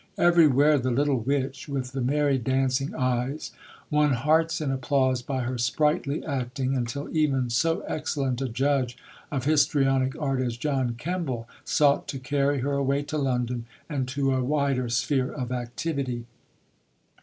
Everywhere the little witch, with the merry dancing eyes, won hearts and applause by her sprightly acting, until even so excellent a judge of histrionic art as John Kemble sought to carry her away to London and to a wider sphere of activity.